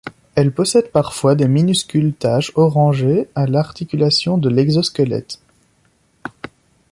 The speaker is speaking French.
Elle possède parfois des minuscules taches orangé à l'articulation de l'exosquelette.